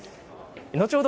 後ほど